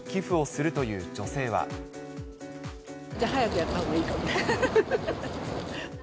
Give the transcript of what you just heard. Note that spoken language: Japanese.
じゃあ、早くやったほうがいいかもです。